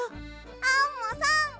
アンモさん！